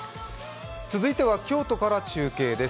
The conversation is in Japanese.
続いては京都から中継です。